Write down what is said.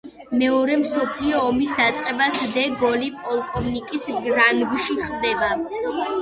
მეორე მსოფლიო ომის დაწყებას დე გოლი პოლკოვნიკის რანგში ხვდება.